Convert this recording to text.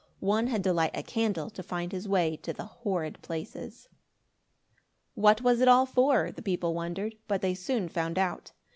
One had to light a candle to find his way to the horrid places. What was it all for? The people wondered, but they soon found out.